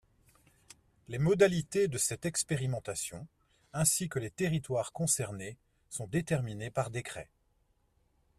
Les modalités de cette expérimentation, ainsi que les territoires concernés, sont déterminés par décret.